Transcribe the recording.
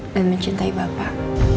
dan mencintai bapak